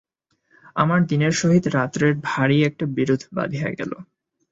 আমার দিনের সহিত রাত্রের ভারি একটা বিরোধ বাধিয়া গেল।